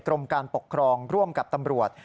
กรมการปกครองร่วมกับตำรวจ